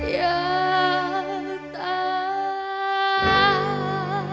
อยากตาย